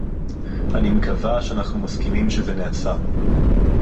אני מקווה שאנחנו מסכימים שזה נעשה